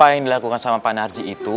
apa yang dilakukan sama pak narji itu